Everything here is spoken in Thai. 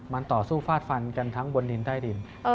มันต่อสู้ฟาดฟันกันทั้งบนดินใต้ดิน